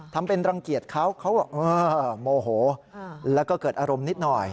ทำเป็นรังเกียจเขาเขาโมโหแล้วก็เกิดอารมณ์นิดหน่อย